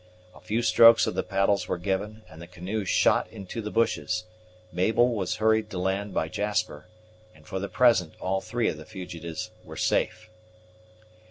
A few strokes of the paddles were given, and the canoe shot into the bushes, Mabel was hurried to land by Jasper, and for the present all three of the fugitives were safe.